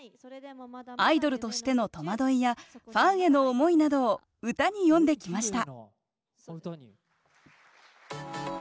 アイドルとしての戸惑いやファンヘの思いなどを歌に詠んできました